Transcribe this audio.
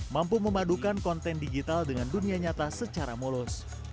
mampu memadukan konten digital dengan dunia nyata secara mulus